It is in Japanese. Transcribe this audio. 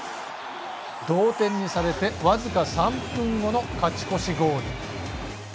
同点にされて僅か３分後の勝ち越しゴール。